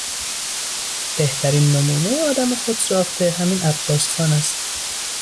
بهترین نمونهی آدم خودساخته همین عباسخان است.